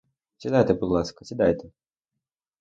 Сідайте, будь ласка, сідайте!